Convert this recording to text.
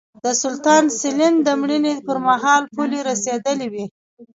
د سلطان سلین د مړینې پرمهال پولې رسېدلې وې.